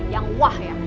yang wah ya